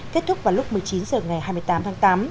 kết thúc vào lúc một mươi chín h ngày hai mươi tám tháng tám